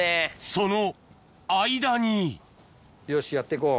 その間によしやって行こう。